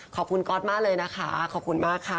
ขอบคุณก๊อตมากเลยนะคะขอบคุณมากค่ะ